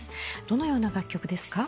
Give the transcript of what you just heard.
どのような楽曲ですか？